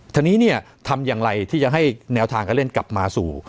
ทีนี้เนี่ยทำอย่างไรที่จะให้แนวทางการเล่นกลับมาสู่